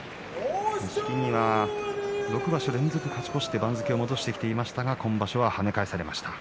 錦木は６場所連続勝ち越しで番付を戻してきましたが今場所は跳ね返されました。